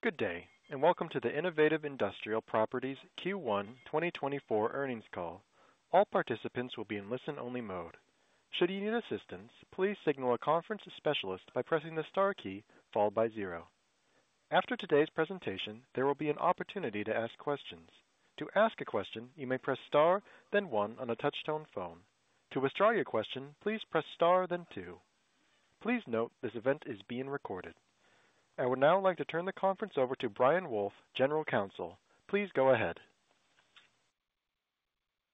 Good day, and welcome to the Innovative Industrial Properties Q1 2024 earnings call. All participants will be in listen-only mode. Should you need assistance, please signal a conference specialist by pressing the star key, followed by zero. After today's presentation, there will be an opportunity to ask questions. To ask a question, you may press star, then one on a touch-tone phone. To withdraw your question, please press star, then two. Please note, this event is being recorded. I would now like to turn the conference over to Brian Wolfe, General Counsel. Please go ahead.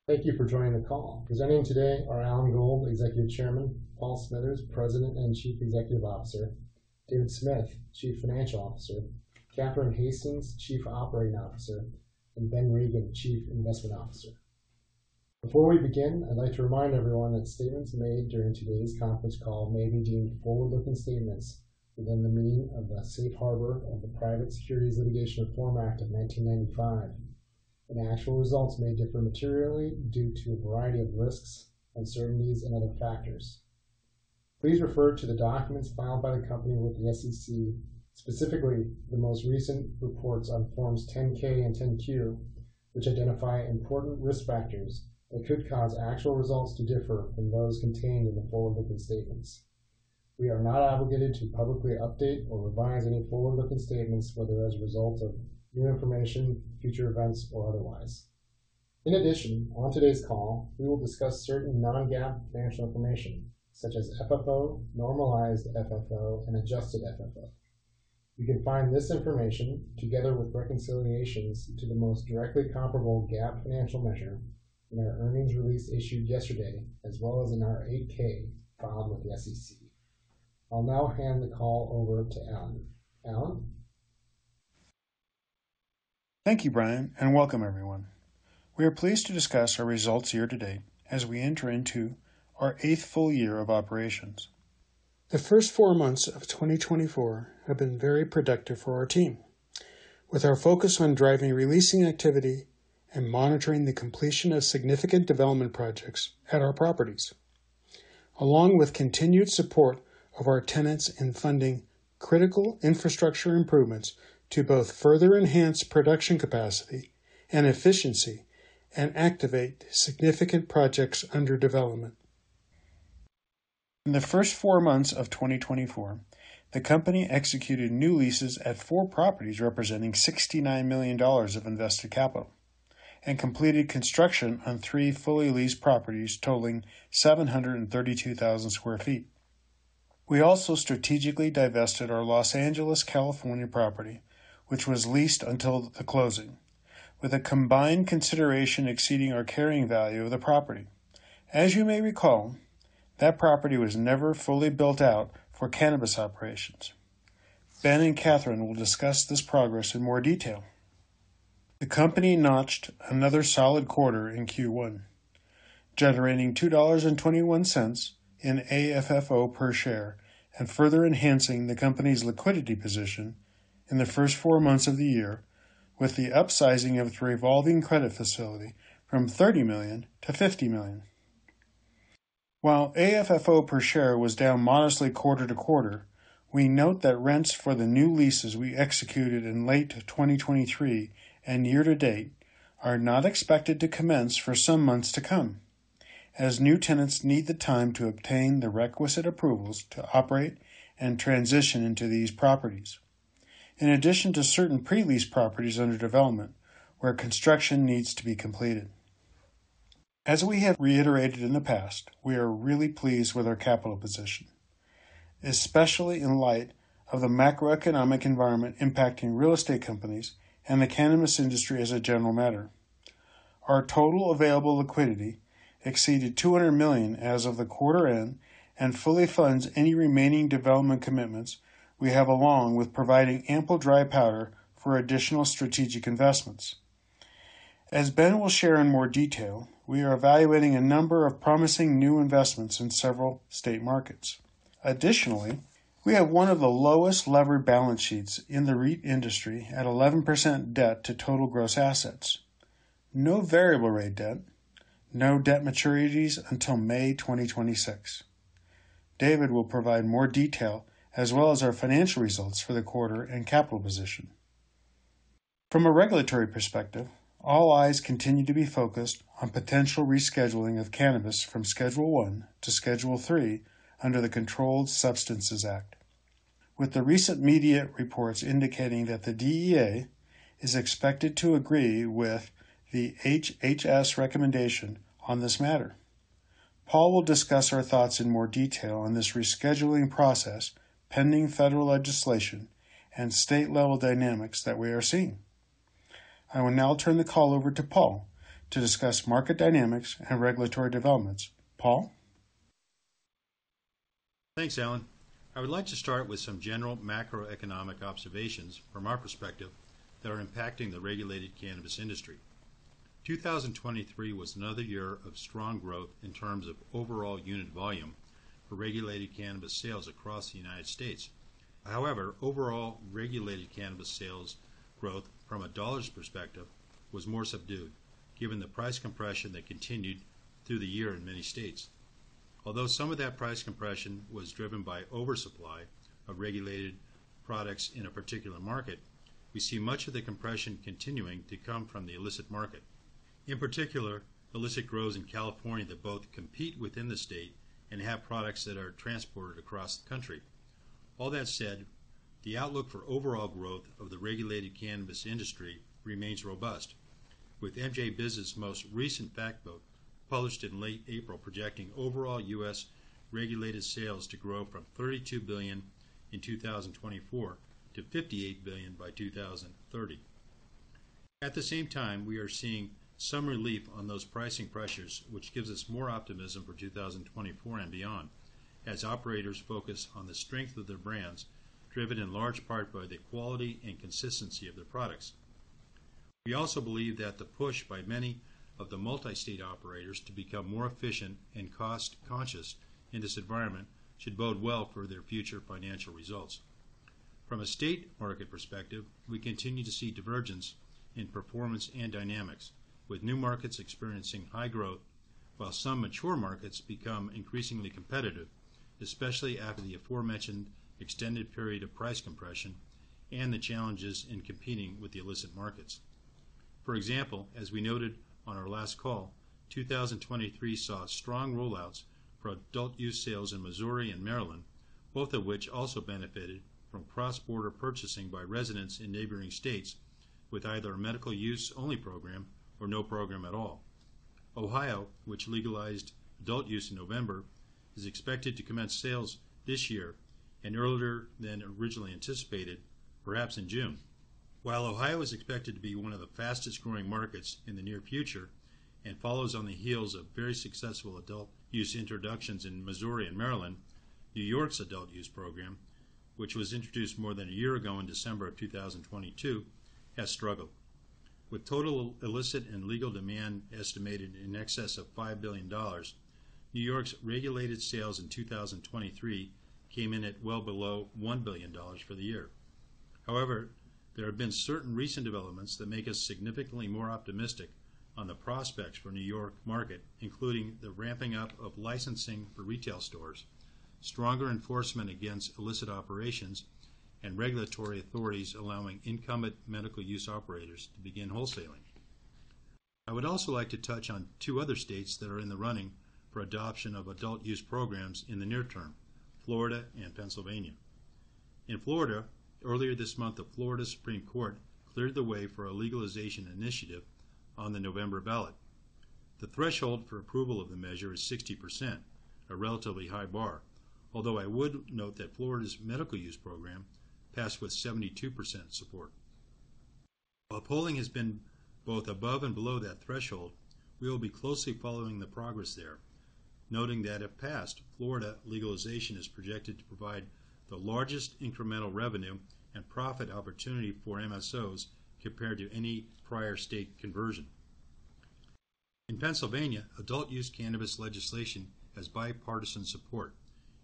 Thank you for joining the call. Presenting today are Alan Gold, Executive Chairman, Paul Smithers, President and Chief Executive Officer, David Smith, Chief Financial Officer, Catherine Hastings, Chief Operating Officer, and Ben Regin, Chief Investment Officer. Before we begin, I'd like to remind everyone that statements made during today's conference call may be deemed forward-looking statements within the meaning of the Safe Harbor of the Private Securities Litigation Reform Act of 1995, and actual results may differ materially due to a variety of risks, uncertainties, and other factors. Please refer to the documents filed by the company with the SEC, specifically the most recent reports on Forms 10-K and 10-Q, which identify important risk factors that could cause actual results to differ from those contained in the forward-looking statements. We are not obligated to publicly update or revise any forward-looking statements, whether as a result of new information, future events, or otherwise. In addition, on today's call, we will discuss certain non-GAAP financial information, such as FFO, normalized FFO, and adjusted FFO. You can find this information, together with reconciliations to the most directly comparable GAAP financial measure in our earnings release issued yesterday, as well as in our 8-K filed with the SEC. I'll now hand the call over to Alan. Alan? Thank you, Brian, and welcome everyone. We are pleased to discuss our results here today as we enter into our eighth full year of operations. The first four months of 2024 have been very productive for our team, with our focus on driving leasing activity and monitoring the completion of significant development projects at our properties, along with continued support of our tenants in funding critical infrastructure improvements to both further enhance production capacity and efficiency and activate significant projects under development. In the first four months of 2024, the company executed new leases at four properties, representing $69 million of invested capital, and completed construction on three fully leased properties, totaling 732,000 sq ft. We also strategically divested our Los Angeles, California, property, which was leased until the closing, with a combined consideration exceeding our carrying value of the property. As you may recall, that property was never fully built out for cannabis operations. Ben and Catherine will discuss this progress in more detail. The company notched another solid quarter in Q1, generating $2.21 in AFFO per share, and further enhancing the company's liquidity position in the first four months of the year, with the upsizing of its revolving credit facility from $30 million-$50 million. While AFFO per share was down modestly quarter-over-quarter, we note that rents for the new leases we executed in late 2023 and year to date are not expected to commence for some months to come, as new tenants need the time to obtain the requisite approvals to operate and transition into these properties, in addition to certain pre-lease properties under development where construction needs to be completed. As we have reiterated in the past, we are really pleased with our capital position, especially in light of the macroeconomic environment impacting real estate companies and the cannabis industry as a general matter. Our total available liquidity exceeded $200 million as of the quarter end and fully funds any remaining development commitments we have, along with providing ample dry powder for additional strategic investments. As Ben will share in more detail, we are evaluating a number of promising new investments in several state markets. Additionally, we have one of the lowest levered balance sheets in the REIT industry at 11% debt to total gross assets. No variable rate debt, no debt maturities until May 2026. David will provide more detail, as well as our financial results for the quarter and capital position. From a regulatory perspective, all eyes continue to be focused on potential rescheduling of cannabis from Schedule I to Schedule III under the Controlled Substances Act. With the recent media reports indicating that the DEA is expected to agree with the HHS recommendation on this matter. Paul will discuss our thoughts in more detail on this rescheduling process, pending federal legislation and state-level dynamics that we are seeing. I will now turn the call over to Paul to discuss market dynamics and regulatory developments. Paul? Thanks, Alan. I would like to start with some general macroeconomic observations from our perspective that are impacting the regulated cannabis industry. 2023 was another year of strong growth in terms of overall unit volume for regulated cannabis sales across the United States. However, overall regulated cannabis sales growth from a dollars perspective was more subdued, given the price compression that continued through the year in many states. Although some of that price compression was driven by oversupply of regulated products in a particular market, we see much of the compression continuing to come from the illicit market. In particular, illicit grows in California that both compete within the state and have products that are transported across the country. All that said, the outlook for overall growth of the regulated cannabis industry remains robust, with MJ Business's most recent fact book, published in late April, projecting overall U.S. regulated sales to grow from $32 billion in 2024-$58 billion by 2030. At the same time, we are seeing some relief on those pricing pressures, which gives us more optimism for 2024 and beyond, as operators focus on the strength of their brands, driven in large part by the quality and consistency of their products. We also believe that the push by many of the multi-state operators to become more efficient and cost-conscious in this environment should bode well for their future financial results. From a state market perspective, we continue to see divergence in performance and dynamics, with new markets experiencing high growth, while some mature markets become increasingly competitive, especially after the aforementioned extended period of price compression and the challenges in competing with the illicit markets. For example, as we noted on our last call, 2023 saw strong rollouts for adult use sales in Missouri and Maryland, both of which also benefited from cross-border purchasing by residents in neighboring states with either a medical use-only program or no program at all. Ohio, which legalized adult use in November, is expected to commence sales this year and earlier than originally anticipated, perhaps in June. While Ohio is expected to be one of the fastest-growing markets in the near future and follows on the heels of very successful adult use introductions in Missouri and Maryland, New York's adult use program, which was introduced more than a year ago in December of 2022, has struggled. With total illicit and legal demand estimated in excess of $5 billion, New York's regulated sales in 2023 came in at well below $1 billion for the year. However, there have been certain recent developments that make us significantly more optimistic on the prospects for New York market, including the ramping up of licensing for retail stores, stronger enforcement against illicit operations, and regulatory authorities allowing incumbent medical use operators to begin wholesaling. I would also like to touch on two other states that are in the running for adoption of adult use programs in the near term: Florida and Pennsylvania. In Florida, earlier this month, the Florida Supreme Court cleared the way for a legalization initiative on the November ballot. The threshold for approval of the measure is 60%, a relatively high bar, although I would note that Florida's medical use program passed with 72% support. While polling has been both above and below that threshold, we will be closely following the progress there, noting that if passed, Florida legalization is projected to provide the largest incremental revenue and profit opportunity for MSOs compared to any prior state conversion. In Pennsylvania, adult-use cannabis legislation has bipartisan support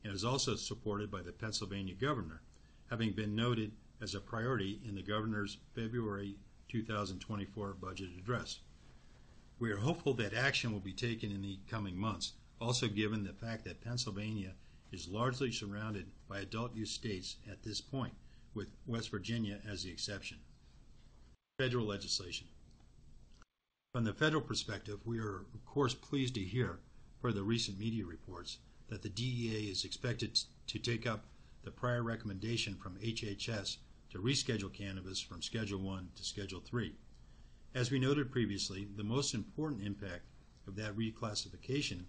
and is also supported by the Pennsylvania governor, having been noted as a priority in the governor's February 2024 budget address. We are hopeful that action will be taken in the coming months, also given the fact that Pennsylvania is largely surrounded by adult-use states at this point, with West Virginia as the exception. Federal legislation. From the federal perspective, we are, of course, pleased to hear from the recent media reports that the DEA is expected to take up the prior recommendation from HHS to reschedule cannabis from Schedule I to Schedule III. As we noted previously, the most important impact of that reclassification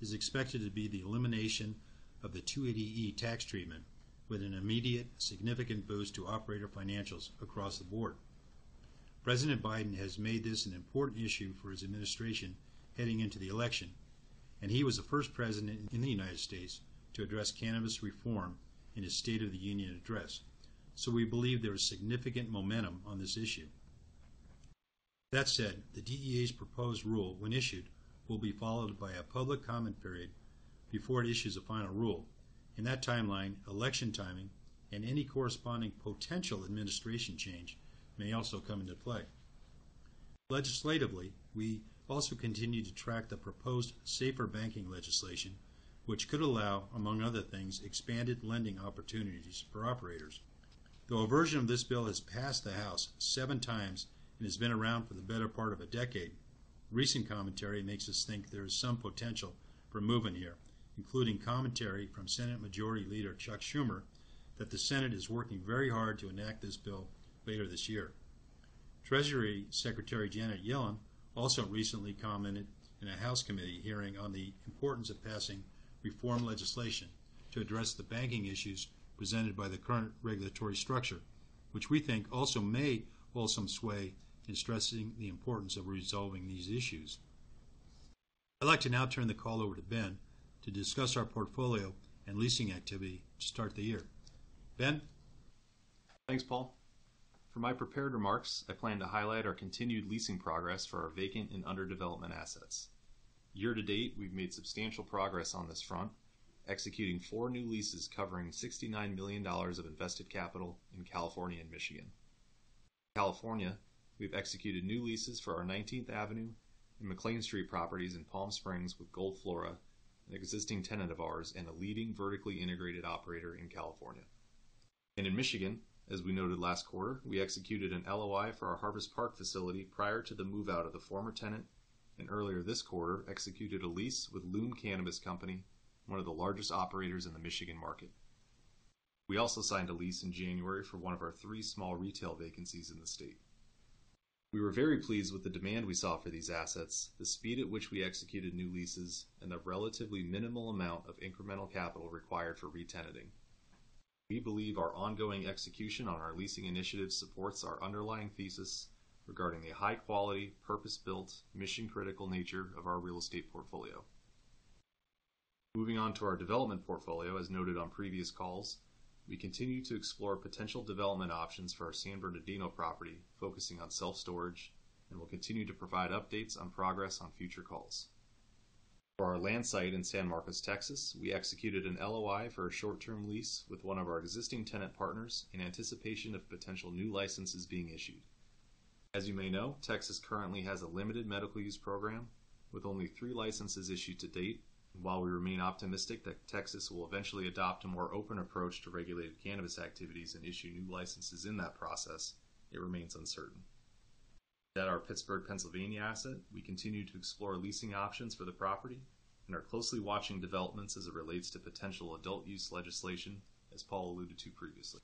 is expected to be the elimination of the 280E tax treatment, with an immediate significant boost to operator financials across the board. President Biden has made this an important issue for his administration heading into the election, and he was the first president in the United States to address cannabis reform in his State of the Union Address, so we believe there is significant momentum on this issue. That said, the DEA's proposed rule, when issued, will be followed by a public comment period before it issues a final rule. In that timeline, election timing and any corresponding potential administration change may also come into play. Legislatively, we also continue to track the proposed SAFER banking legislation, which could allow, among other things, expanded lending opportunities for operators. Though a version of this bill has passed the House seven times and has been around for the better part of a decade, recent commentary makes us think there is some potential for movement here, including commentary from Senate Majority Leader Chuck Schumer, that the Senate is working very hard to enact this bill later this year. Treasury Secretary Janet Yellen also recently commented in a House committee hearing on the importance of passing reform legislation to address the banking issues presented by the current regulatory structure, which we think also may hold some sway in stressing the importance of resolving these issues. I'd like to now turn the call over to Ben to discuss our portfolio and leasing activity to start the year. Ben? Thanks, Paul. For my prepared remarks, I plan to highlight our continued leasing progress for our vacant and under development assets. Year to date, we've made substantial progress on this front, executing four new leases covering $69 million of invested capital in California and Michigan. In California, we've executed new leases for our Nineteenth Avenue and McLane Street properties in Palm Springs with Gold Flora, an existing tenant of ours, and a leading vertically integrated operator in California. And in Michigan, as we noted last quarter, we executed an LOI for our Harvest Park facility prior to the move-out of the former tenant, and earlier this quarter, executed a lease with Lume Cannabis Company, one of the largest operators in the Michigan market. We also signed a lease in January for one of our three small retail vacancies in the state. We were very pleased with the demand we saw for these assets, the speed at which we executed new leases, and the relatively minimal amount of incremental capital required for re-tenanting. We believe our ongoing execution on our leasing initiative supports our underlying thesis regarding the high-quality, purpose-built, mission-critical nature of our real estate portfolio. Moving on to our development portfolio, as noted on previous calls, we continue to explore potential development options for our San Bernardino property, focusing on self-storage, and will continue to provide updates on progress on future calls. For our land site in San Marcos, Texas, we executed an LOI for a short-term lease with one of our existing tenant partners in anticipation of potential new licenses being issued. As you may know, Texas currently has a limited medical use program, with only 3 licenses issued to date. While we remain optimistic that Texas will eventually adopt a more open approach to regulated cannabis activities and issue new licenses in that process, it remains uncertain. At our Pittsburgh, Pennsylvania asset, we continue to explore leasing options for the property and are closely watching developments as it relates to potential adult-use legislation, as Paul alluded to previously.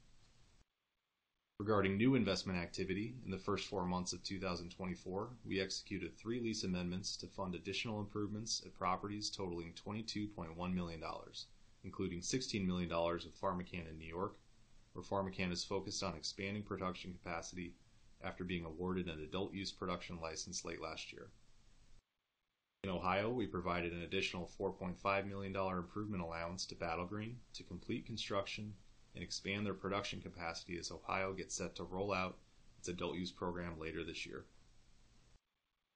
Regarding new investment activity, in the first four months of 2024, we executed three lease amendments to fund additional improvements at properties totaling $22.1 million, including $16 million of PharmaCann in New York, where PharmaCann is focused on expanding production capacity after being awarded an adult-use production license late last year. In Ohio, we provided an additional $4.5 million improvement allowance to Battle Green to complete construction and expand their production capacity as Ohio gets set to roll out its adult use program later this year.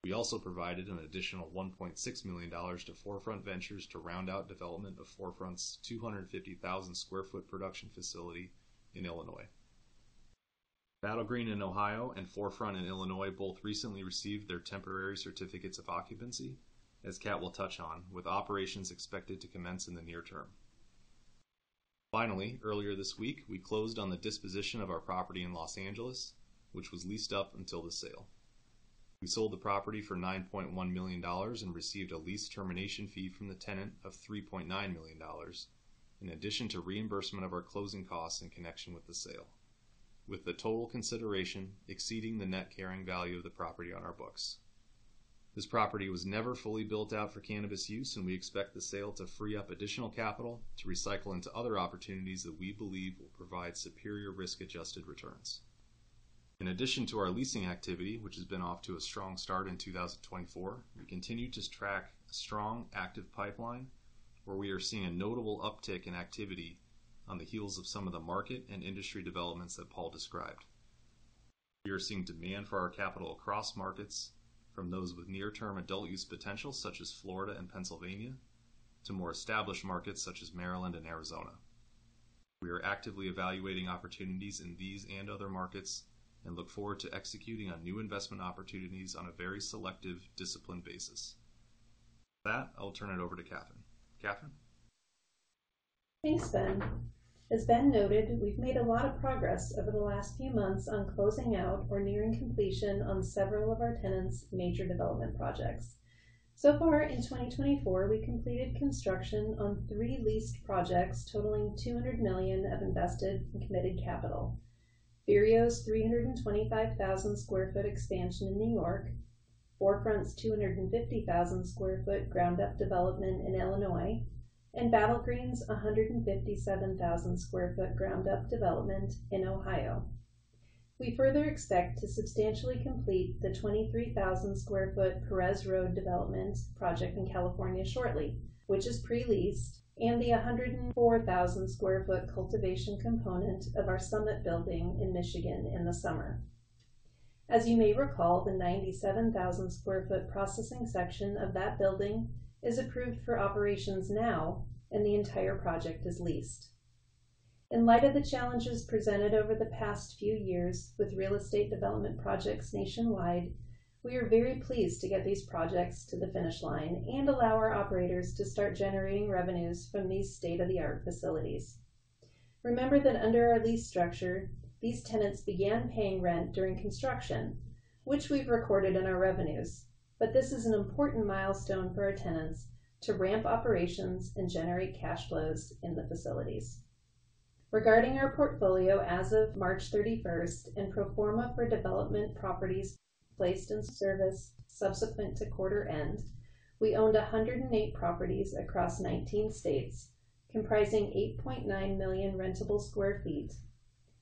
We also provided an additional $1.6 million to 4Front Ventures to round out development of 4Front's 250,000 sq ft production facility in Illinois. Battle Green in Ohio and 4Front in Illinois both recently received their temporary certificates of occupancy, as Kat will touch on, with operations expected to commence in the near term. Finally, earlier this week, we closed on the disposition of our property in Los Angeles, which was leased up until the sale. We sold the property for $9.1 million and received a lease termination fee from the tenant of $3.9 million, in addition to reimbursement of our closing costs in connection with the sale, with the total consideration exceeding the net carrying value of the property on our books. This property was never fully built out for cannabis use, and we expect the sale to free up additional capital to recycle into other opportunities that we believe will provide superior risk-adjusted returns. In addition to our leasing activity, which has been off to a strong start in 2024, we continue to track a strong, active pipeline, where we are seeing a notable uptick in activity on the heels of some of the market and industry developments that Paul described. We are seeing demand for our capital across markets from those with near-term adult use potential, such as Florida and Pennsylvania, to more established markets such as Maryland and Arizona. We are actively evaluating opportunities in these and other markets and look forward to executing on new investment opportunities on a very selective, disciplined basis. For that, I'll turn it over to Catherine. Catherine? Thanks, Ben. As Ben noted, we've made a lot of progress over the last few months on closing out or nearing completion on several of our tenants' major development projects. So far in 2024, we completed construction on three leased projects totaling $200 million of invested and committed capital. PharmaCann's 325,000 sq ft expansion in New York, 4Front's 250,000 sq ft ground-up development in Illinois, and Battle Green's 157,000 sq ft ground-up development in Ohio. We further expect to substantially complete the 23,000 sq ft Perez Road development project in California shortly, which is pre-leased, and the 104,000 sq ft cultivation component of our Summit building in Michigan in the summer. As you may recall, the 97,000 sq ft processing section of that building is approved for operations now, and the entire project is leased. In light of the challenges presented over the past few years with real estate development projects nationwide, we are very pleased to get these projects to the finish line and allow our operators to start generating revenues from these state-of-the-art facilities. Remember that under our lease structure, these tenants began paying rent during construction, which we've recorded in our revenues, but this is an important milestone for our tenants to ramp operations and generate cash flows in the facilities. Regarding our portfolio as of March 31st and pro forma for development properties placed in service subsequent to quarter end, we owned 108 properties across 19 states, comprising 8.9 million rentable sq ft,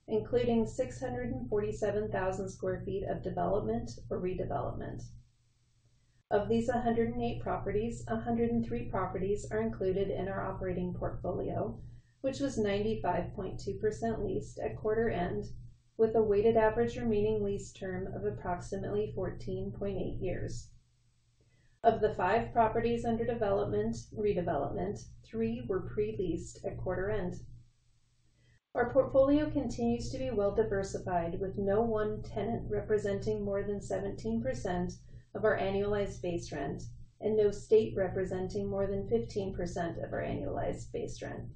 including 647,000 sq ft of development or redevelopment. Of these 108 properties, 103 properties are included in our operating portfolio, which was 95.2% leased at quarter end, with a weighted average remaining lease term of approximately 14.8 years. Of the five properties under development, redevelopment, three were pre-leased at quarter end. Our portfolio continues to be well-diversified, with no one tenant representing more than 17% of our annualized base rent, and no state representing more than 15% of our annualized base rent.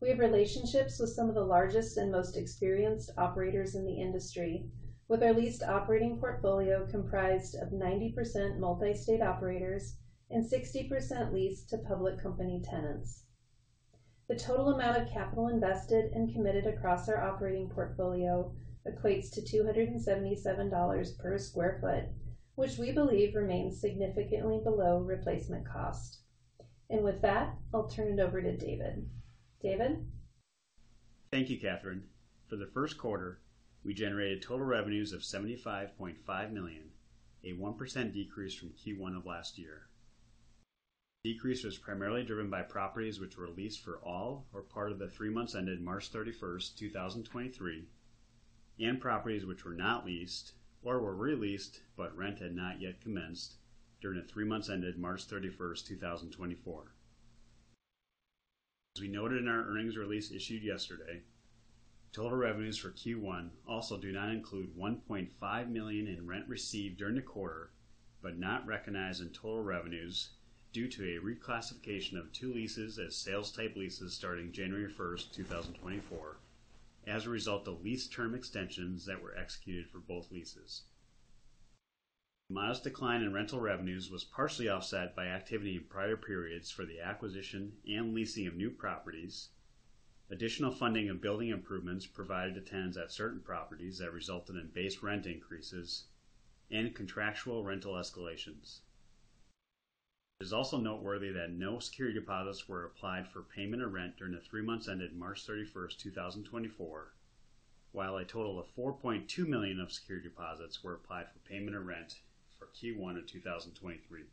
We have relationships with some of the largest and most experienced operators in the industry, with our leased operating portfolio comprised of 90% multi-state operators and 60% leased to public company tenants. The total amount of capital invested and committed across our operating portfolio equates to $277 per sq ft, which we believe remains significantly below replacement cost. With that, I'll turn it over to David. David? Thank you, Catherine. For the first quarter, we generated total revenues of $75.5 million, a 1% decrease from Q1 of last year. Decrease was primarily driven by properties which were leased for all or part of the three months ended March 31st, 2023, and properties which were not leased or were re-leased, but rent had not yet commenced during the three months ended March 31st, 2024. As we noted in our earnings release issued yesterday, total revenues for Q1 also do not include $1.5 million in rent received during the quarter, but not recognized in total revenues due to a reclassification of two leases as sales type leases starting January 1st, 2024, as a result of lease term extensions that were executed for both leases. The modest decline in rental revenues was partially offset by activity in prior periods for the acquisition and leasing of new properties, additional funding and building improvements provided to tenants at certain properties that resulted in base rent increases, and contractual rental escalations. It is also noteworthy that no security deposits were applied for payment of rent during the three months ended March 31st, 2024, while a total of $4.2 million of security deposits were applied for payment of rent for Q1 of 2023.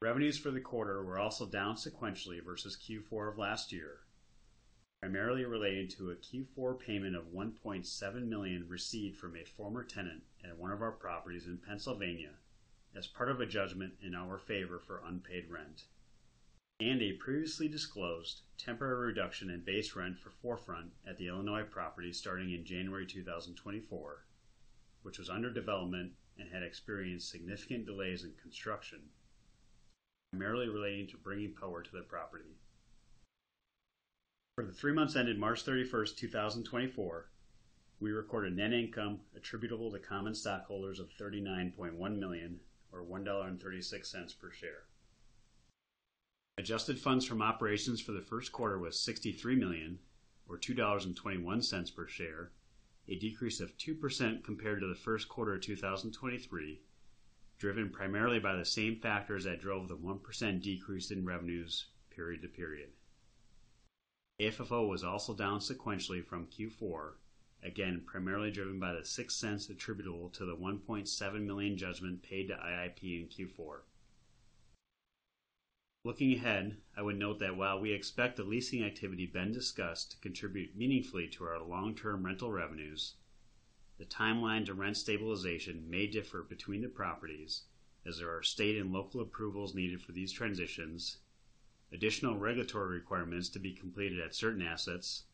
Revenues for the quarter were also down sequentially versus Q4 of last year, primarily related to a Q4 payment of $1.7 million received from a former tenant at one of our properties in Pennsylvania as part of a judgment in our favor for unpaid rent. A previously disclosed temporary reduction in base rent for 4Front at the Illinois property starting in January 2024, which was under development and had experienced significant delays in construction, primarily relating to bringing power to the property. For the three months ended March 31st, 2024, we recorded net income attributable to common stockholders of $39.1 million or $1.36 per share. Adjusted funds from operations for the first quarter was $63 million or $2.21 per share, a decrease of 2% compared to the first quarter of 2023, driven primarily by the same factors that drove the 1% decrease in revenues period to period. AFFO was also down sequentially from Q4, again, primarily driven by the $0.06 attributable to the $1.7 million judgment paid to IIP in Q4. Looking ahead, I would note that while we expect the leasing activity that has been discussed to contribute meaningfully to our long-term rental revenues, the timeline to rent stabilization may differ between the properties as there are state and local approvals needed for these transitions, additional regulatory requirements to be completed at certain assets,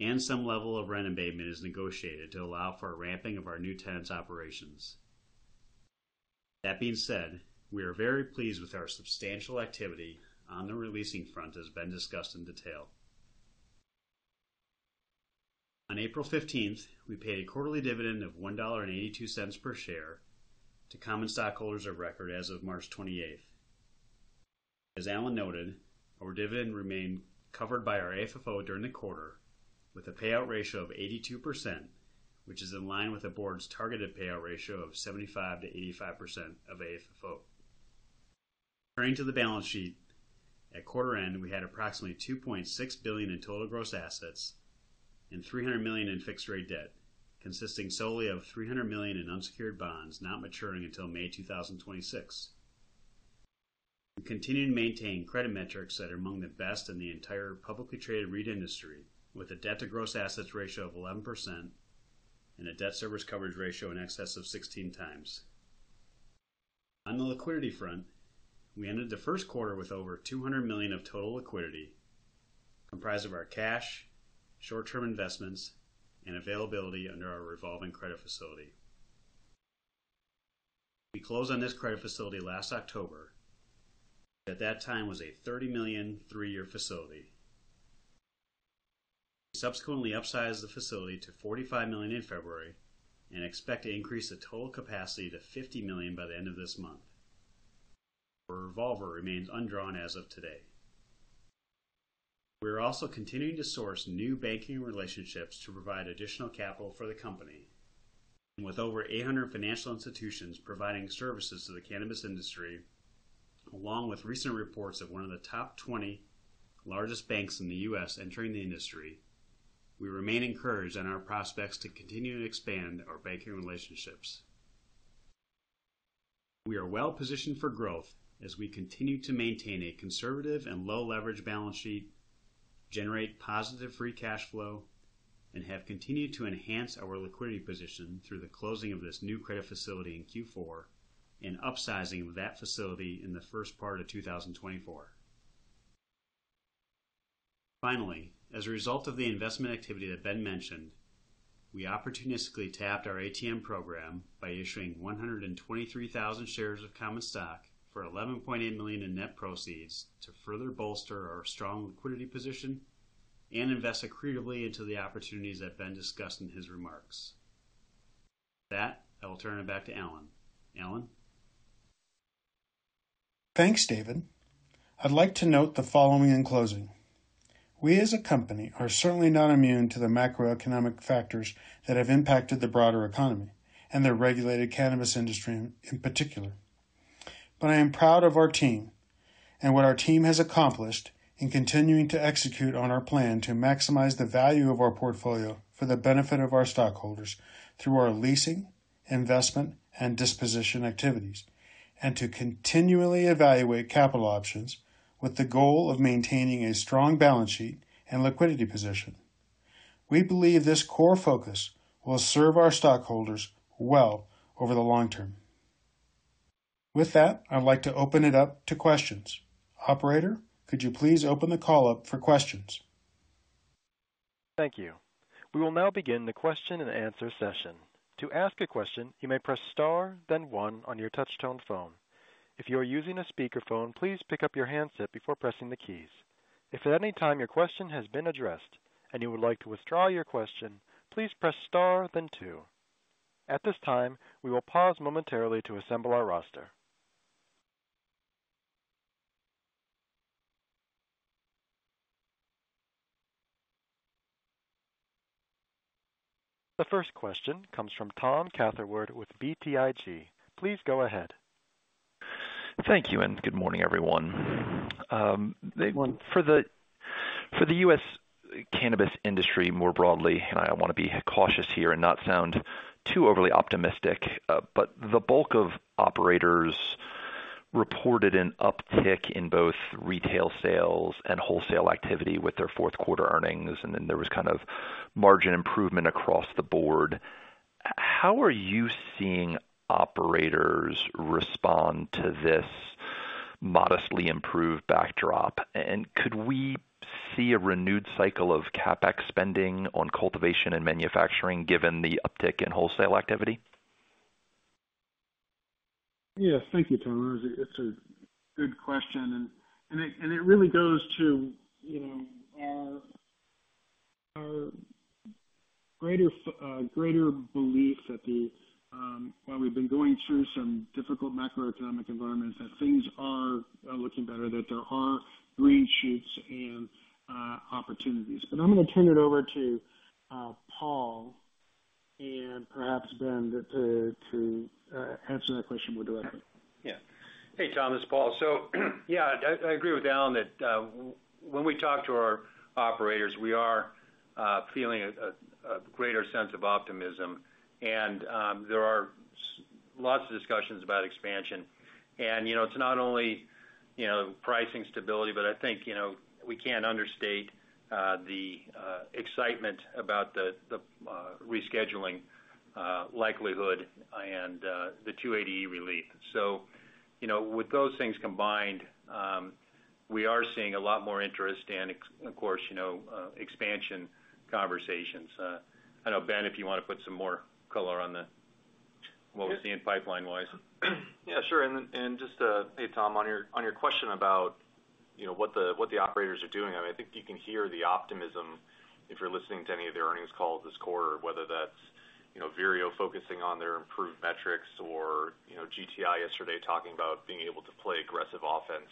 and some level of rent abatement is negotiated to allow for a ramping of our new tenants' operations. That being said, we are very pleased with our substantial activity on the re-leasing front, as has been discussed in detail. On April fifteenth, we paid a quarterly dividend of $1.82 per share to common stockholders of record as of March twenty-eighth. As Alan noted, our dividend remained covered by our AFFO during the quarter with a payout ratio of 82%, which is in line with the board's targeted payout ratio of 75%-85% of AFFO. Turning to the balance sheet, at quarter end, we had approximately $2.6 billion in total gross assets and $300 million in fixed-rate debt, consisting solely of $300 million in unsecured bonds, not maturing until May 2026. We continue to maintain credit metrics that are among the best in the entire publicly traded REIT industry, with a debt-to-gross assets ratio of 11% and a debt service coverage ratio in excess of 16 times. On the liquidity front, we ended the first quarter with over $200 million of total liquidity, comprised of our cash, short-term investments, and availability under our revolving credit facility. We closed on this credit facility last October. At that time, it was a $30 million, three-year facility. We subsequently upsized the facility to $45 million in February and expect to increase the total capacity to $50 million by the end of this month. Our revolver remains undrawn as of today. We are also continuing to source new banking relationships to provide additional capital for the company. With over 800 financial institutions providing services to the cannabis industry, along with recent reports of one of the top 20 largest banks in the U.S. entering the industry, we remain encouraged in our prospects to continue to expand our banking relationships. We are well positioned for growth as we continue to maintain a conservative and low-leverage balance sheet.... generate positive free cash flow, and have continued to enhance our liquidity position through the closing of this new credit facility in Q4 and upsizing that facility in the first part of 2024. Finally, as a result of the investment activity that Ben mentioned, we opportunistically tapped our ATM program by issuing 123,000 shares of common stock for $11.8 million in net proceeds to further bolster our strong liquidity position and invest accretively into the opportunities that Ben discussed in his remarks. With that, I will turn it back to Alan. Alan? Thanks, David. I'd like to note the following in closing: We, as a company, are certainly not immune to the macroeconomic factors that have impacted the broader economy and the regulated cannabis industry in particular. But I am proud of our team and what our team has accomplished in continuing to execute on our plan to maximize the value of our portfolio for the benefit of our stockholders through our leasing, investment, and disposition activities, and to continually evaluate capital options with the goal of maintaining a strong balance sheet and liquidity position. We believe this core focus will serve our stockholders well over the long term. With that, I'd like to open it up to questions. Operator, could you please open the call up for questions? Thank you. We will now begin the question and answer session. To ask a question, you may press star, then one on your touchtone phone. If you are using a speakerphone, please pick up your handset before pressing the keys. If at any time your question has been addressed and you would like to withdraw your question, please press star, then two. At this time, we will pause momentarily to assemble our roster. The first question comes from Tom Catherwood with BTIG. Please go ahead. Thank you, and good morning, everyone. For the U.S. cannabis industry, more broadly, and I want to be cautious here and not sound too overly optimistic, but the bulk of operators reported an uptick in both retail sales and wholesale activity with their fourth quarter earnings, and then there was kind of margin improvement across the board. How are you seeing operators respond to this modestly improved backdrop? And could we see a renewed cycle of CapEx spending on cultivation and manufacturing, given the uptick in wholesale activity? Yes, thank you, Tom. It's a good question, and it really goes to, you know, our greater belief that the while we've been going through some difficult macroeconomic environments, that things are looking better, that there are green shoots and opportunities. But I'm going to turn it over to Paul and perhaps Ben to answer that question more directly. Yeah. Hey, Tom, this is Paul. So, yeah, I agree with Alan that when we talk to our operators, we are feeling a greater sense of optimism. And there are lots of discussions about expansion. And you know, it's not only pricing stability, but I think you know, we can't understate the excitement about the rescheduling likelihood and the 280 relief. So you know, with those things combined, we are seeing a lot more interest and of course you know, expansion conversations. I know, Ben, if you want to put some more color on the- Yeah. What we're seeing pipeline wise. Yeah, sure. And just to... Hey, Tom, on your question about, you know, what the operators are doing, I think you can hear the optimism if you're listening to any of the earnings calls this quarter, whether that's, you know, Vireo focusing on their improved metrics or, you know, GTI yesterday, talking about being able to play aggressive offense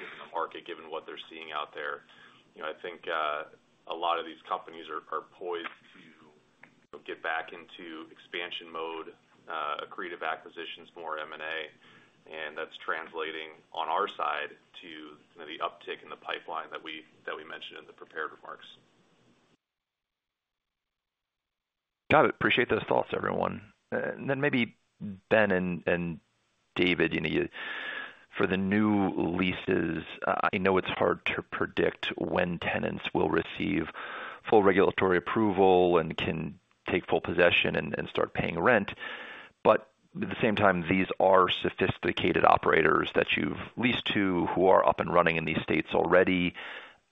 in the market, given what they're seeing out there. You know, I think a lot of these companies are poised to get back into expansion mode, accretive acquisitions, more M&A, and that's translating on our side to the uptick in the pipeline that we mentioned in the prepared remarks. Got it. Appreciate those thoughts, everyone. Then maybe Ben and David, you know, for the new leases, I know it's hard to predict when tenants will receive full regulatory approval and can take full possession and start paying rent, but at the same time, these are sophisticated operators that you've leased to who are up and running in these states already.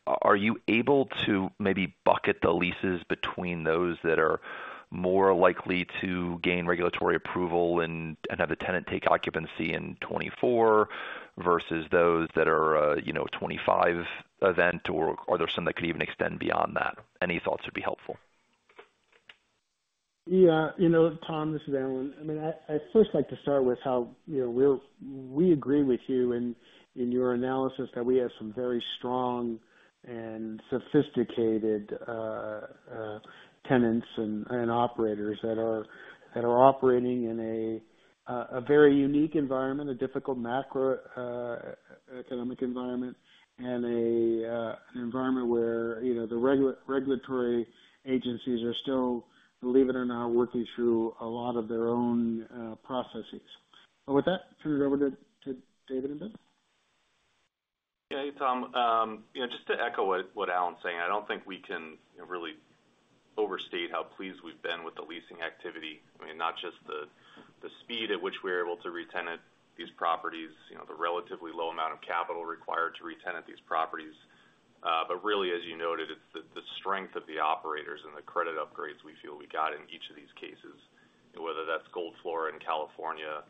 Are you able to maybe bucket the leases between those that are more likely to gain regulatory approval and have the tenant take occupancy in 2024, versus those that are, you know, 2025 event, or are there some that could even extend beyond that? Any thoughts would be helpful. Yeah, you know, Tom, this is Alan. I mean, I'd first like to start with how, you know, we'll- we agree with you in your analysis that we have some very strong and sophisticated tenants and operators that are operating in a very unique environment, a difficult macro economic environment, and an environment where, you know, the regulatory agencies are still, believe it or not, working through a lot of their own processes.... Well, with that, turn it over to David and Ben. Yeah, hey, Tom. You know, just to echo what Alan's saying, I don't think we can, you know, really overstate how pleased we've been with the leasing activity. I mean, not just the speed at which we're able to retenant these properties, you know, the relatively low amount of capital required to retenant these properties. But really, as you noted, it's the strength of the operators and the credit upgrades we feel we got in each of these cases, whether that's Gold Flora in California,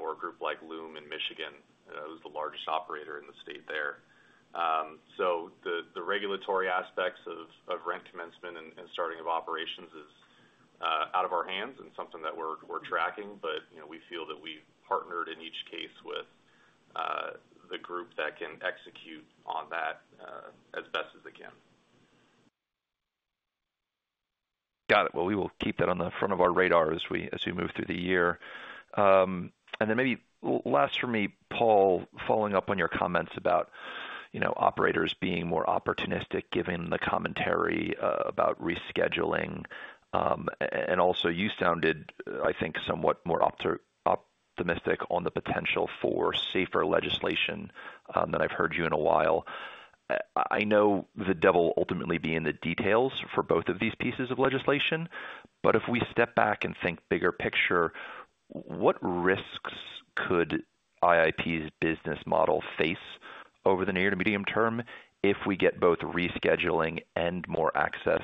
or a group like Lume in Michigan, who's the largest operator in the state there. So the regulatory aspects of rent commencement and starting of operations is out of our hands and something that we're tracking. You know, we feel that we've partnered in each case with the group that can execute on that, as best as they can. Got it. Well, we will keep that on the front of our radar as we move through the year. And then maybe last for me, Paul, following up on your comments about, you know, operators being more opportunistic, given the commentary about rescheduling. And also, you sounded, I think, somewhat more optimistic on the potential for safer legislation than I've heard you in a while. I know the devil will ultimately be in the details for both of these pieces of legislation, but if we step back and think bigger picture, what risks could IIP's business model face over the near to medium term if we get both rescheduling and more access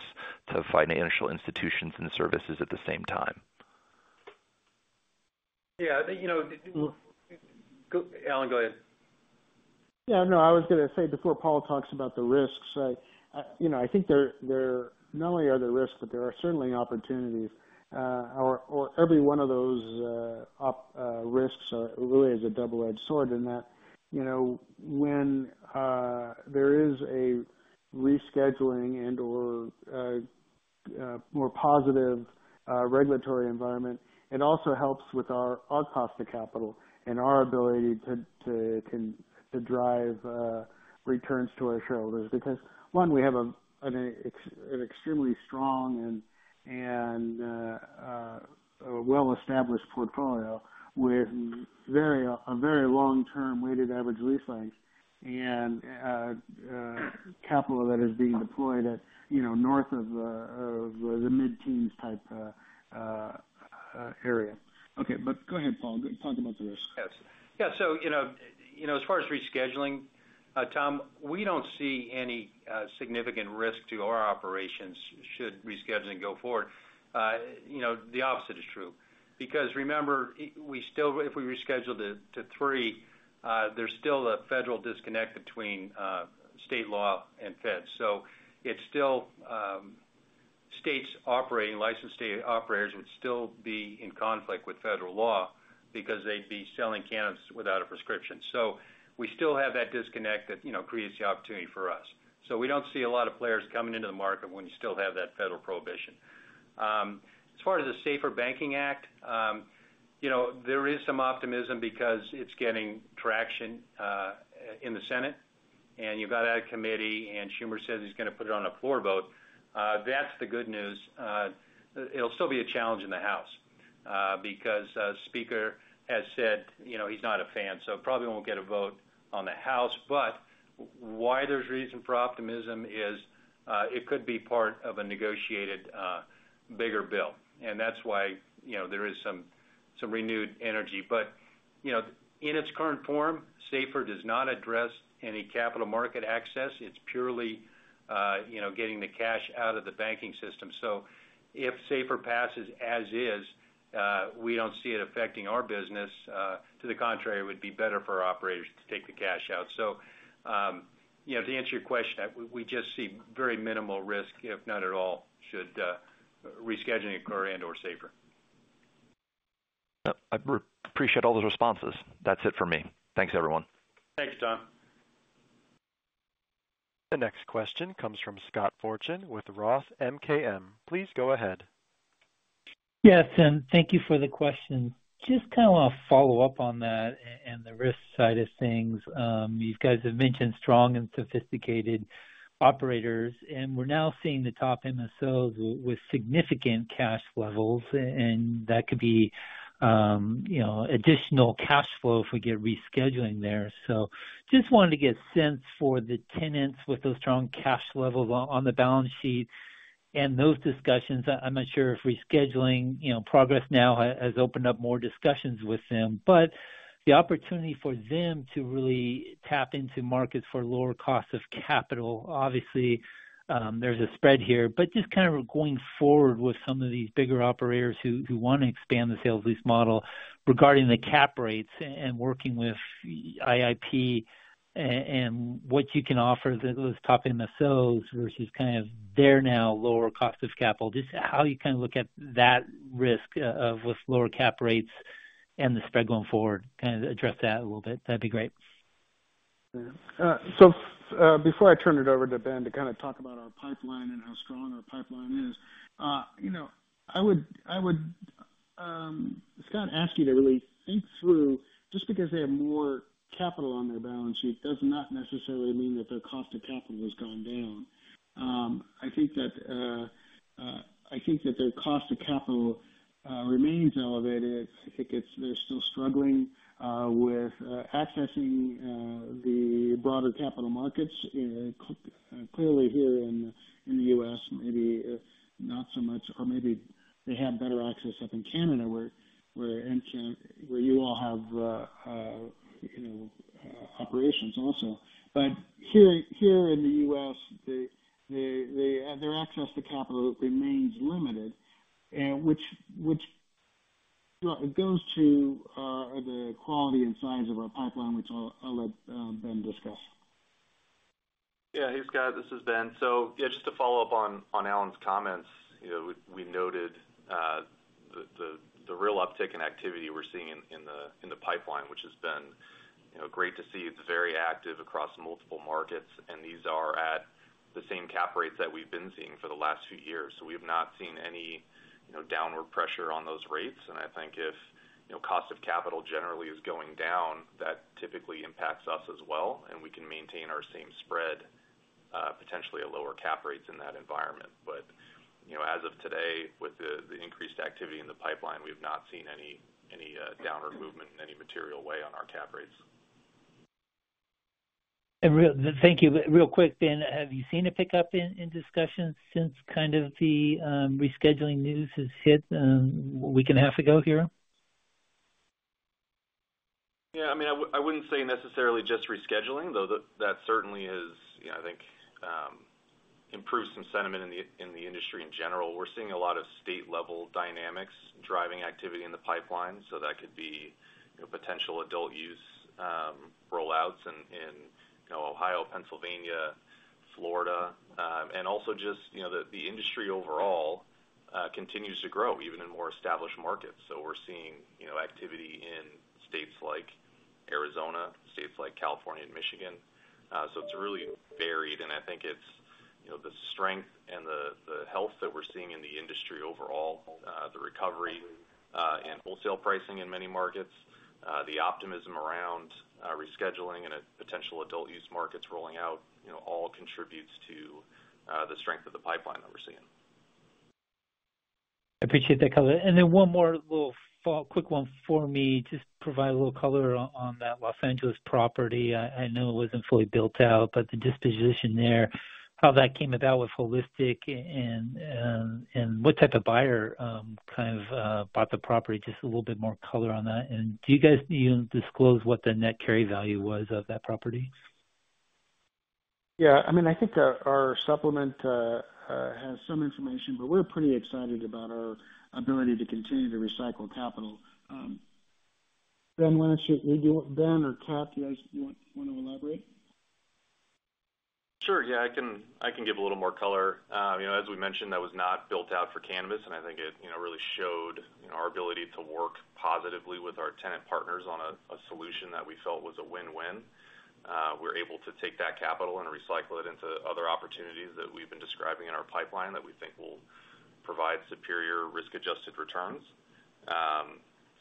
to financial institutions and services at the same time? Yeah, I think, you know, Alan, go ahead. Yeah, no, I was gonna say before Paul talks about the risks, I, you know, I think there not only are there risks, but there are certainly opportunities. Or every one of those risks are really is a double-edged sword in that, you know, when there is a rescheduling and/or more positive regulatory environment, it also helps with our overall cost of capital and our ability to drive returns to our shareholders. Because, one, we have an extremely strong and a well-established portfolio with a very long-term weighted average lease length and capital that is being deployed at, you know, north of the mid-teens type area. Okay, but go ahead, Paul. Talk about the risk. Yes. Yeah, so you know, you know, as far as rescheduling, Tom, we don't see any, significant risk to our operations should rescheduling go forward. You know, the opposite is true, because remember, we still if we reschedule to three, there's still a federal disconnect between, state law and feds. So it's still, states operating, licensed state operators would still be in conflict with federal law because they'd be selling cannabis without a prescription. So we still have that disconnect that, you know, creates the opportunity for us. So we don't see a lot of players coming into the market when you still have that federal prohibition. As far as the SAFER Banking Act, you know, there is some optimism because it's getting traction in the Senate, and you've got out of committee, and Schumer says he's gonna put it on a floor vote. That's the good news. It'll still be a challenge in the House because Speaker has said, you know, he's not a fan, so probably won't get a vote in the House. But why there's reason for optimism is it could be part of a negotiated bigger bill, and that's why, you know, there is some renewed energy. But, you know, in its current form, SAFER does not address any capital market access. It's purely, you know, getting the cash out of the banking system. So if SAFER passes as is, we don't see it affecting our business. To the contrary, it would be better for our operators to take the cash out. So, you know, to answer your question, we just see very minimal risk, if not at all, should rescheduling occur and/or SAFER. I appreciate all those responses. That's it for me. Thanks, everyone. Thanks, Tom. The next question comes from Scott Fortune with Roth MKM. Please go ahead. Yes, and thank you for the question. Just kind of want to follow up on that and the risk side of things. You guys have mentioned strong and sophisticated operators, and we're now seeing the top MSOs with significant cash levels, and that could be, you know, additional cash flow if we get rescheduling there. So just wanted to get a sense for the tenants with those strong cash levels on the balance sheet and those discussions. I'm not sure if rescheduling, you know, progress now has opened up more discussions with them, but the opportunity for them to really tap into markets for lower costs of capital. Obviously, there's a spread here, but just kind of going forward with some of these bigger operators who want to expand the sales lease model regarding the cap rates and working with IIP and what you can offer those top MSOs versus kind of their now lower cost of capital. Just how you kind of look at that risk with lower cap rates and the spread going forward. Kind of address that a little bit. That'd be great. Before I turn it over to Ben to kind of talk about our pipeline and how strong our pipeline is, you know, I would, I would- it's gonna ask you to really think through, just because they have more capital on their balance sheet, does not necessarily mean that their cost of capital has gone down. I think that their cost of capital remains elevated. I think it's-- they're still struggling with accessing the broader capital markets, clearly here in the US, maybe not so much, or maybe they have better access up in Canada, where in Can-- where you all have, you know, operations also. But here in the U.S., their access to capital remains limited, which, well, it goes to the quality and size of our pipeline, which I'll let Ben discuss. Yeah. Hey, Scott, this is Ben. So, yeah, just to follow up on Alan's comments, you know, we noted the real uptick in activity we're seeing in the pipeline, which has been, you know, great to see. It's very active across multiple markets, and these are at the same cap rates that we've been seeing for the last few years. So we have not seen any, you know, downward pressure on those rates. And I think if, you know, cost of capital generally is going down, that typically impacts us as well, and we can maintain our same spread, potentially at lower cap rates in that environment. But, you know, as of today, with the increased activity in the pipeline, we've not seen any downward movement in any material way on our cap rates. Thank you. Real quick, Ben, have you seen a pickup in discussions since kind of the rescheduling news has hit a week and a half ago here? Yeah, I mean, I wouldn't say necessarily just rescheduling, though, that certainly has, you know, I think, improved some sentiment in the industry in general. We're seeing a lot of state-level dynamics driving activity in the pipeline, so that could be, you know, potential adult use rollouts in, you know, Ohio, Pennsylvania, Florida. And also just, you know, the industry overall continues to grow, even in more established markets. So we're seeing, you know, activity in states like Arizona, states like California and Michigan. So it's really varied, and I think it's, you know, the strength and the health that we're seeing in the industry overall, the recovery, and wholesale pricing in many markets, the optimism around rescheduling and a potential adult use markets rolling out, you know, all contributes to the strength of the pipeline that we're seeing. I appreciate that color. And then one more little follow-up quick one for me. Just provide a little color on that Los Angeles property. I know it wasn't fully built out, but the disposition there, how that came about with Holistic and what type of buyer kind of bought the property? Just a little bit more color on that. And do you guys even disclose what the net carry value was of that property? Yeah, I mean, I think our supplement has some information, but we're pretty excited about our ability to continue to recycle capital. Ben, why don't you, Ben or Kat, do you guys want to elaborate? Sure. Yeah, I can, I can give a little more color. You know, as we mentioned, that was not built out for cannabis, and I think it, you know, really showed, you know, our ability to work positively with our tenant partners on a, a solution that we felt was a win-win. We're able to take that capital and recycle it into other opportunities that we've been describing in our pipeline, that we think will provide superior risk-adjusted returns.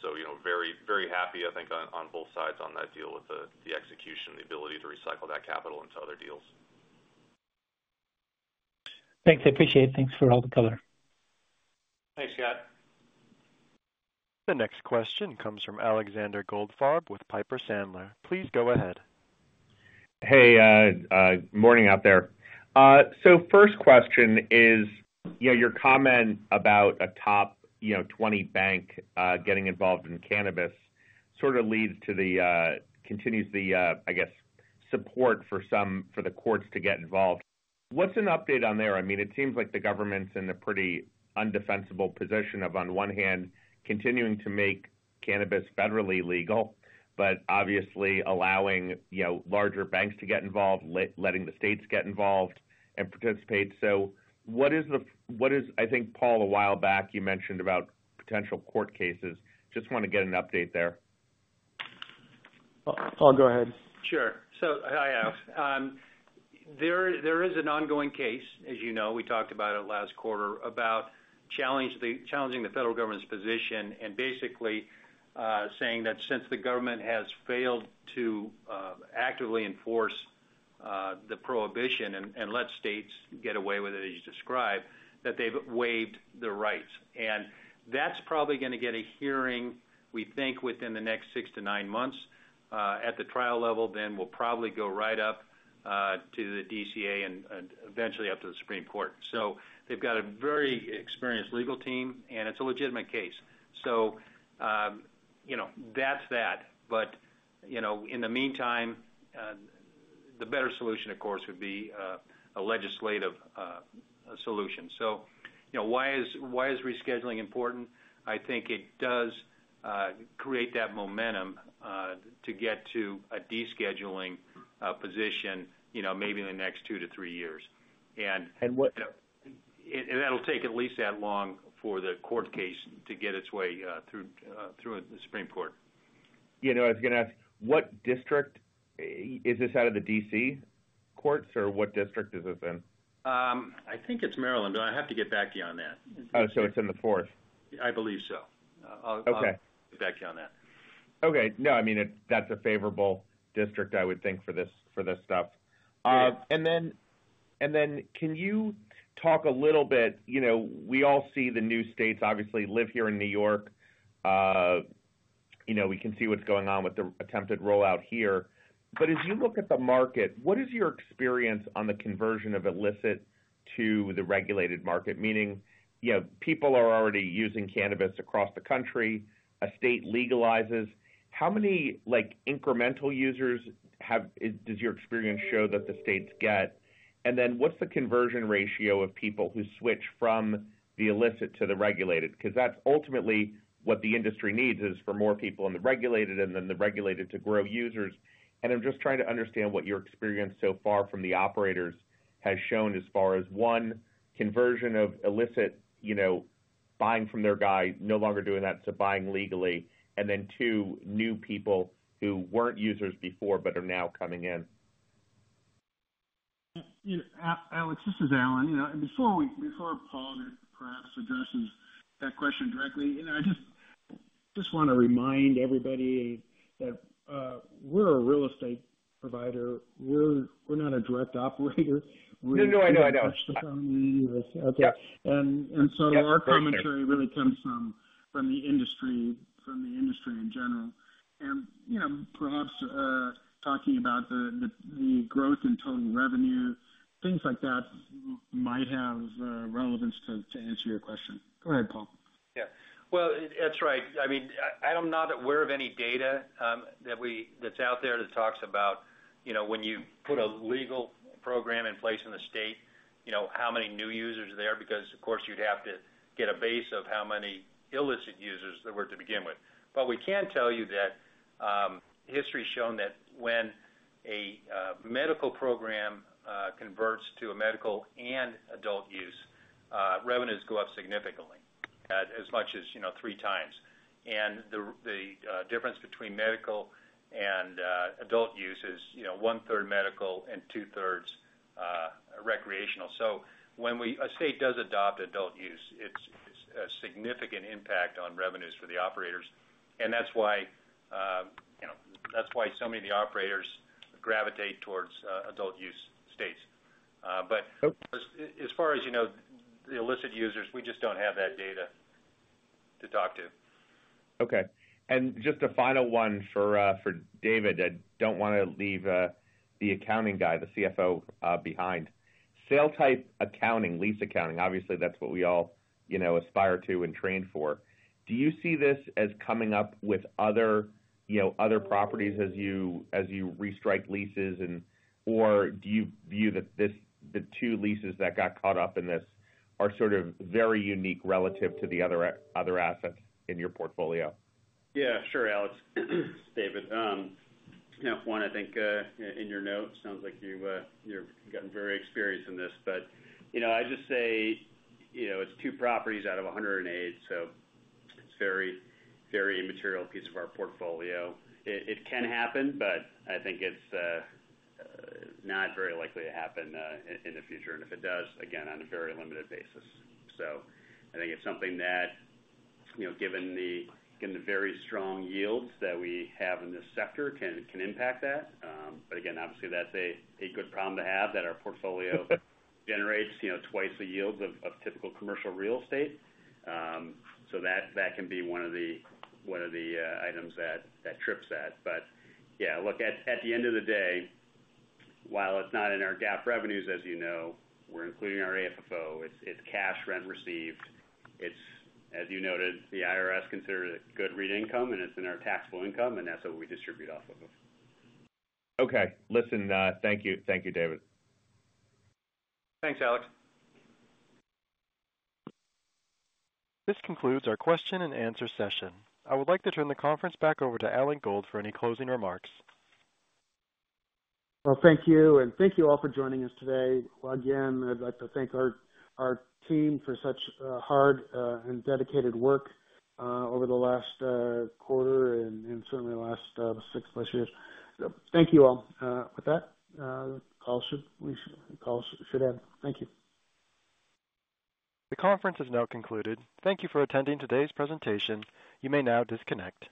So, you know, very, very happy, I think, on, on both sides on that deal with the, the execution, the ability to recycle that capital into other deals. Thanks, I appreciate it. Thanks for all the color. Thanks, Scott. The next question comes from Alexander Goldfarb with Piper Sandler. Please go ahead. Hey, morning out there. So first question is, yeah, your comment about a top, you know, 20 bank getting involved in cannabis sort of leads to the, I guess, support for some for the courts to get involved. What's an update on there? I mean, it seems like the government's in a pretty indefensible position of, on one hand, continuing to make cannabis federally legal, but obviously allowing, you know, larger banks to get involved, letting the states get involved and participate. So what is... I think, Paul, a while back, you mentioned about potential court cases. Just want to get an update there. Paul, go ahead. Sure. So, hi, Alex. There is an ongoing case, as you know, we talked about it last quarter, about challenging the federal government's position and basically saying that since the government has failed to actively enforce the prohibition and let states get away with it, as you described, that they've waived the rights. And that's probably gonna get a hearing, we think, within the next six to nine months at the trial level, then we'll probably go right up to the DCA and eventually up to the Supreme Court. So they've got a very experienced legal team, and it's a legitimate case. So, you know, that's that. But, you know, in the meantime, the better solution, of course, would be a legislative solution. So, you know, why is rescheduling important? I think it does, create that momentum, to get to a descheduling, position, you know, maybe in the next two-three years. And- And what... that'll take at least that long for the court case to get its way through the Supreme Court.... You know, I was going to ask, what district, is this out of the D.C. courts, or what district is this in? I think it's Maryland, but I have to get back to you on that. Oh, so it's in the fourth? I believe so. I'll- Okay. Get back to you on that. Okay. No, I mean, that's a favorable district, I would think, for this, for this stuff. And then can you talk a little bit, you know, we all see the new states, obviously, live here in New York. You know, we can see what's going on with the attempted rollout here. But as you look at the market, what is your experience on the conversion of illicit to the regulated market? Meaning, you know, people are already using cannabis across the country. A state legalizes. How many, like, incremental users does your experience show that the states get? And then what's the conversion ratio of people who switch from the illicit to the regulated? Because that's ultimately what the industry needs, is for more people in the regulated and then the regulated to grow users. I'm just trying to understand what your experience so far from the operators has shown as far as, one, conversion of illicit, you know, buying from their guy, no longer doing that, to buying legally, and then, two, new people who weren't users before but are now coming in? Yeah, Alex, this is Alan. You know, and before Paul perhaps addresses that question directly, you know, I just want to remind everybody that we're a real estate provider. We're not a direct operator. No, no, I know, I know. Okay. Yeah. And so our- Yeah, perfect... commentary really comes from, from the industry, from the industry in general. And, you know, perhaps talking about the growth in total revenue, things like that might have relevance to answer your question. Go ahead, Paul. Yeah. Well, that's right. I mean, I'm not aware of any data that that's out there that talks about, you know, when you put a legal program in place in the state, you know, how many new users are there? Because, of course, you'd have to get a base of how many illicit users there were to begin with. But we can tell you that, history's shown that when a medical program converts to a medical and adult use, revenues go up significantly, as much as, you know, three times. And the difference between medical and adult use is, you know, one third medical and two thirds recreational. So when a state does adopt adult use, it's a significant impact on revenues for the operators, and that's why, you know, that's why so many of the operators gravitate towards adult use states. But- Oh... as far as you know, the illicit users, we just don't have that data to talk to. Okay, and just a final one for David. I don't want to leave the accounting guy, the CFO, behind. Sales-type accounting, lease accounting, obviously, that's what we all, you know, aspire to and train for. Do you see this as coming up with other, you know, other properties as you, as you restrike leases and or do you view that this, the two leases that got caught up in this are sort of very unique relative to the other other assets in your portfolio? Yeah, sure, Alex. David, you know, one, I think, in your notes, sounds like you, you've gotten very experienced in this, but, you know, I'd just say, you know, it's two properties out of 108, so it's very, very immaterial piece of our portfolio. It, it can happen, but I think it's, not very likely to happen, in, in the future, and if it does, again, on a very limited basis. So I think it's something that, you know, given the, given the very strong yields that we have in this sector, can, can impact that. But again, obviously, that's a, a good problem to have, that our portfolio generates, you know, twice the yields of, of typical commercial real estate. So that, that can be one of the, one of the, items that, that trips that. But yeah, look, at the end of the day, while it's not in our GAAP revenues, as you know, we're including our AFFO. It's cash rent received. It's, as you noted, the IRS considers it good rental income, and it's in our taxable income, and that's what we distribute off of. Okay, listen, thank you. Thank you, David. Thanks, Alex. This concludes our question and answer session. I would like to turn the conference back over to Alan Gold for any closing remarks. Well, thank you, and thank you all for joining us today. Again, I'd like to thank our team for such hard and dedicated work over the last quarter and certainly the last six plus years. So thank you all. With that, the call should end. Thank you. The conference is now concluded. Thank you for attending today's presentation. You may now disconnect